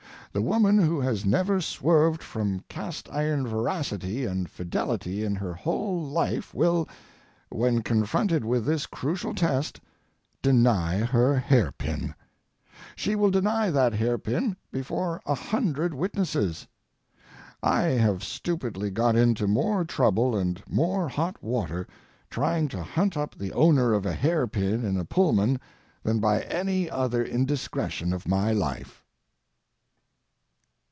The woman who has never swerved from cast iron veracity and fidelity in her whole life will, when confronted with this crucial test, deny her hair pin. She will deny that hair pin before a hundred witnesses. I have stupidly got into more trouble and more hot water trying to hunt up the owner of a hair pin in a Pullman than by any other indiscretion of my life.